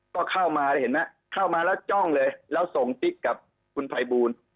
ก็เข้ามาเลยเห็นไหมเข้ามาแล้วจ้องเลยแล้วส่งติ๊กกับคุณภัยบูล